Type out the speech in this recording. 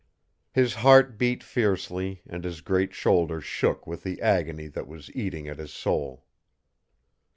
His heart beat fiercely, and his great shoulders shook with the agony that was eating at his soul.